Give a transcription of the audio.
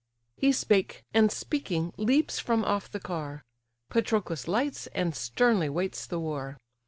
He spake: and, speaking, leaps from off the car: Patroclus lights, and sternly waits the war.